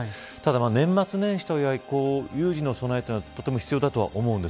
年末年始とはいえ有事の備えは必要だと思います。